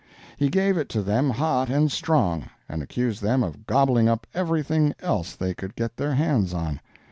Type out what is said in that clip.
He gave it to them hot and strong, and accused them of gobbling up everything else they could get their hands on.